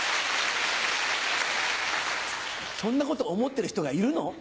そんなこと思ってる人がいるの？